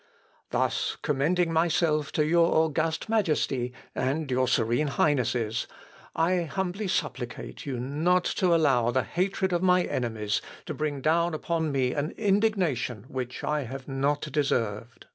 Thus, commending myself to your august Majesty and your serene Highnesses, I humbly supplicate you not to allow the hatred of my enemies to bring down upon me an indignation which I have not deserved."